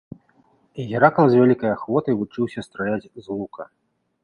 Геракл з вялікай ахвотай вучыўся страляць з лука.